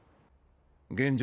現状